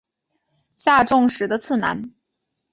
下重实的次男。